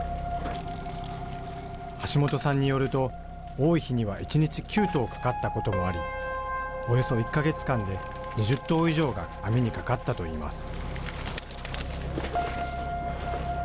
橋本さんによると、多い日には１日９頭かかったこともあり、およそ１か月間で２０頭以上が網にかかったといいます。